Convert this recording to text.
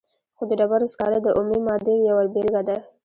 خو د ډبرو سکاره د اومې مادې یوه بیلګه ده.